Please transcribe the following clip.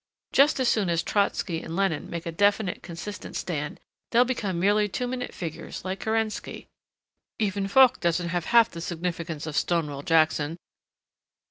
Just as soon as Trotsky and Lenin take a definite, consistent stand they'll become merely two minute figures like Kerensky. Even Foch hasn't half the significance of Stonewall Jackson.